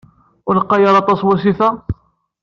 Ur lqay ara aṭas wasif-a?